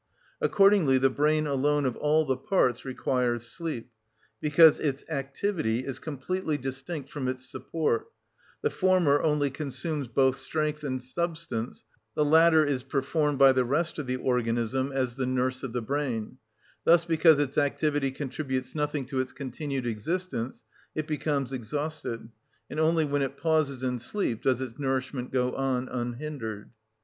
Accordingly the brain alone of all the parts requires sleep, because its activity is completely distinct from its support; the former only consumes both strength and substance, the latter is performed by the rest of the organism as the nurse of the brain: thus because its activity contributes nothing to its continued existence it becomes exhausted, and only when it pauses in sleep does its nourishment go on unhindered.